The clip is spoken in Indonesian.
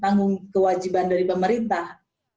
tanggung kewajiban dari pemerintah